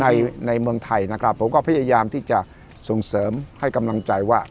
ในเมืองไทยนะครับผมก็พยายามที่จะส่งเสริมให้กำลังใจว่า